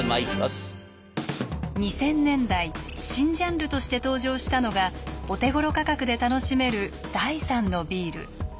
２０００年代新ジャンルとして登場したのがお手頃価格で楽しめる第三のビール。